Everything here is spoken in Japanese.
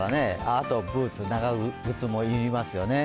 あとブーツ、長靴も要りますよね。